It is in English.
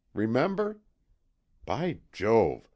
Remember? By Jove!